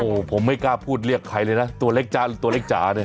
โอ้โหผมไม่กล้าพูดเรียกใครเลยนะตัวเล็กจ้าหรือตัวเล็กจ๋าเนี่ย